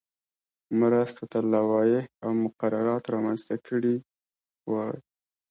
مرستو ته لوایح او مقررات رامنځته کړي وای.